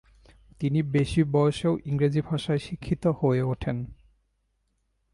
তিনি বেশি বয়সেও ইংরেজি ভাষায় শিক্ষিত হয়ে ওঠেন।